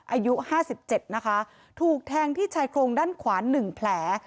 อายุห้าสิบเจ็ดนะคะถูกแทงที่ชายโครงด้านขวา๑แผล